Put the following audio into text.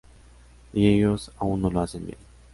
Y ellos aún no lo hacen bien.